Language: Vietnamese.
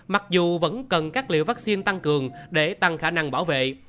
mặc dù vẫn cần các liệu vaccine tăng cường để tăng khả năng bảo vệ